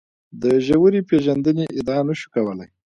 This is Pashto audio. د ژورې پېژندنې ادعا نه شو کولای.